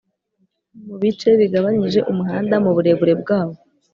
mu bice bigabanyije umuhanda mu burebure bwawo